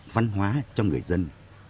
văn hóa cho người dân